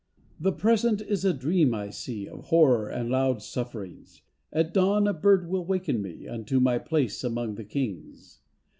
The Present is a dream I see Of horror and loud sufferings. At dawn a bird will waken me Unto my place among the kings.